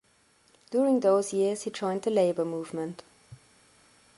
During those years he joined the labor movement.